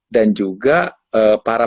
dan juga para